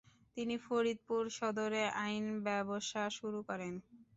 তিনি ফরিদপুর সদরে আইন ব্যবসা শুরু করেন।